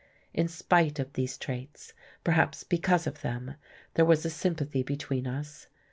In spite of these traits perhaps because of them there was a sympathy between us.